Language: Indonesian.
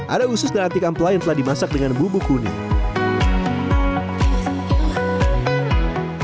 ada usus dan anti kamplah yang telah dimasak dengan bubuk kuning